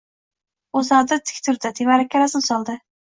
Bo‘sag‘ada tik turdi. Tevarakka razm soldi.